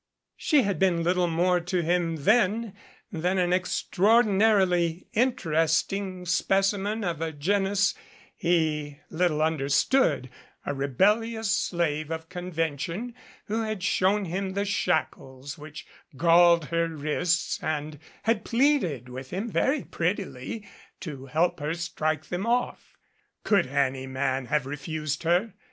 She had been little more to him then than an ex traordinarily interesting specimen of a genus he little understood, a rebellious slave of convention who had shown him the shackles which galled her wrists and had MADCAP pleaded with him very prettily to help her strike them off. Could any man have refused her?